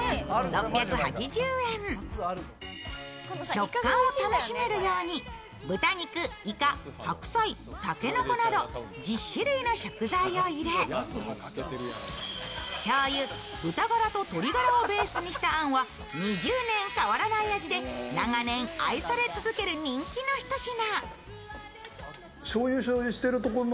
食感を楽しめるように豚肉、イカ白菜、竹の子など１０種類の食材を入れ醤油、豚バラと鶏ガラをベースにしたあんは、２０年変わらない味で長年愛され続ける人気の一品。